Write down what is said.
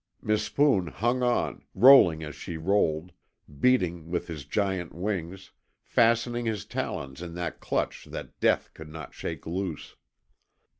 Mispoon hung on, rolling as she rolled, beating with his giant wings, fastening his talons in that clutch that death could not shake loose.